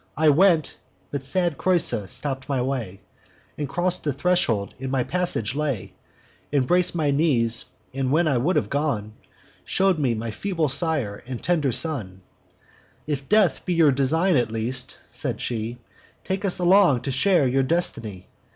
I went; but sad Creusa stopp'd my way, And cross the threshold in my passage lay, Embrac'd my knees, and, when I would have gone, Shew'd me my feeble sire and tender son: 'If death be your design, at least,' said she, 'Take us along to share your destiny.